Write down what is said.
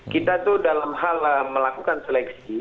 kita itu dalam hal melakukan seleksi